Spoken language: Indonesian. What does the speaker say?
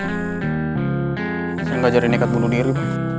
saya ngajarin nekat bunuh diri